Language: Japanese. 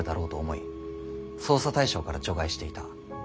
捜査対象から除外していた。